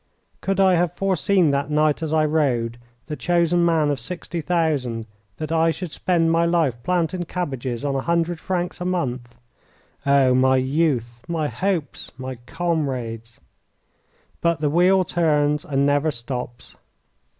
Could I have foreseen that night as I rode, the chosen man of sixty thousand, that I should spend my life planting cabbages on a hundred francs a month! Oh, my youth, my hopes, my comrades! But the wheel turns and never stops.